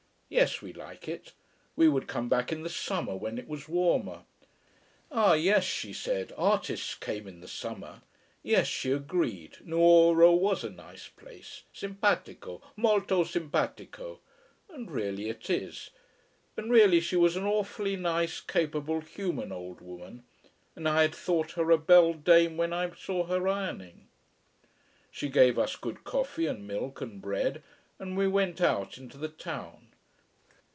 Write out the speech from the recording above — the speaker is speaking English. Yes, we like it. We would come back in the summer when it was warmer. Ah yes, she said, artists came in the summer. Yes, she agreed, Nuoro was a nice place simpatico, molto simpatico. And really it is. And really she was an awfully nice, capable, human old woman: and I had thought her a beldame when I saw her ironing. She gave us good coffee and milk and bread, and we went out into the town.